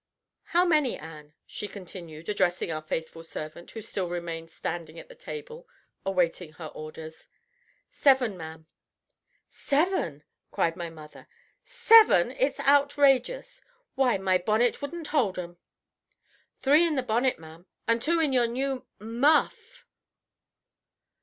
"How many, Ann?" she continued, addressing our faithful servant, who still remained standing at the table awaiting her orders. "Seven, ma'am." "Seven!" cried my mother. "Seven it's outrageous. Why, my bonnet wouldn't hold 'em!" "Three in the bonnet, ma'am, and two in your new m u f f!"